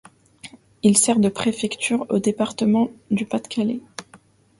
Il sert de préfecture au département du Pas-de-Calais.